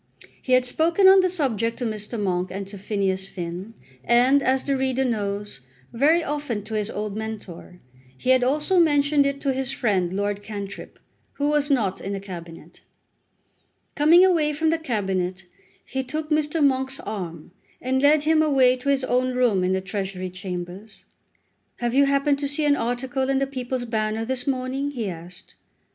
He had spoken on the subject to Mr. Monk and to Phineas Finn, and, as the reader knows, very often to his old mentor. He had also mentioned it to his friend Lord Cantrip, who was not in the Cabinet. Coming away from the Cabinet he took Mr. Monk's arm, and led him away to his own room in the Treasury Chambers. "Have you happened to see an article in the 'People's Banner' this morning?" he asked.